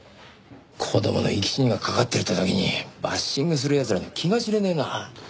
子供の生き死にがかかってるって時にバッシングする奴らの気が知れねえな。